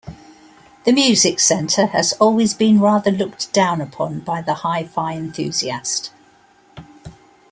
The music centre has always been rather looked down upon by the hi-fi enthusiast.